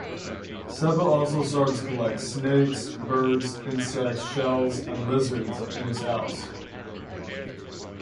Seba also started to collect snakes, birds, insects, shells and lizards in his house.